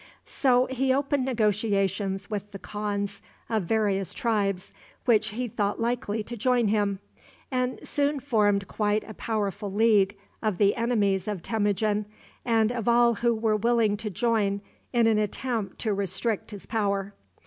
So he opened negotiations with the khans of various tribes which he thought likely to join him, and soon formed quite a powerful league of the enemies of Temujin, and of all who were willing to join in an attempt to restrict his power.